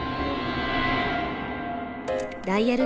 ダイヤル